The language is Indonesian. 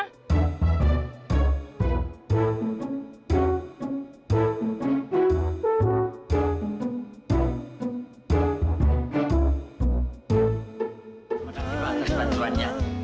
terima kasih banget teman teman